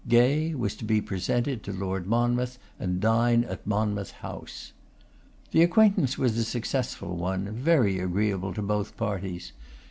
Gay was to be presented to Lord Monmouth and dine at Monmouth House. The acquaintance was a successful one; very agreeable to both parties.